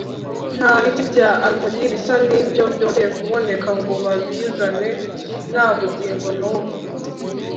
Nta biti bya alumugi bisa n’ibyo byongeye kuboneka ngo babizane na bugingo n’ubu